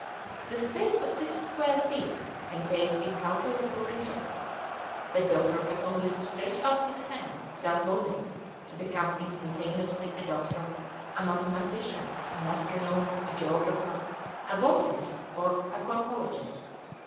The space of six square feet contained incalculable riches: the doctor had only to stretch out his hand without moving to become instantaneously a doctor, a mathematician, an astronomer, a geographer, a botanist, or a conchologist.